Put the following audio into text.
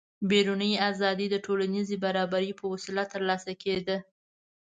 بیروني ازادي د ټولنیز برابري په وسیله ترلاسه کېده.